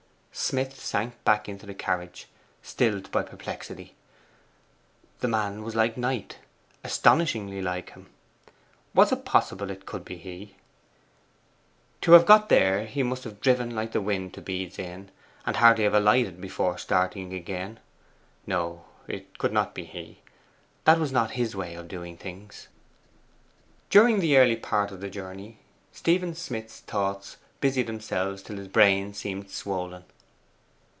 Smith sank back into the carriage, stilled by perplexity. The man was like Knight astonishingly like him. Was it possible it could be he? To have got there he must have driven like the wind to Bede's Inn, and hardly have alighted before starting again. No, it could not be he; that was not his way of doing things. During the early part of the journey Stephen Smith's thoughts busied themselves till his brain seemed swollen.